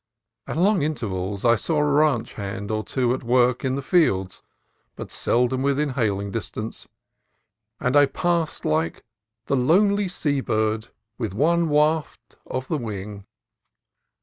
At long in tervals I saw a ranch hand or two at work in the fields, but seldom within hailing distance, and I passed, like "the lonely seabird, ... with one waft of the wing."